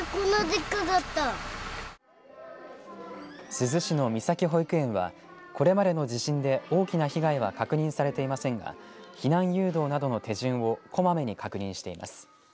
珠洲市のみさき保育園はこれまでの地震で大きな被害は確認されていませんが避難誘導などの手順をこまめに確認しています。